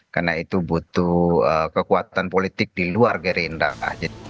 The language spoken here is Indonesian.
karena itu butuh kekuatan politik di luar gerindra